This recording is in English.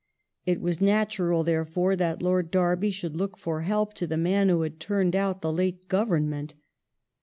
It was natural, therefore, that Lord Derby should look for help to the man who had turned out the late Government.